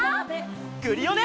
クリオネ！